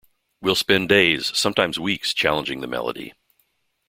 We'll spend days, sometimes weeks, challenging the melody.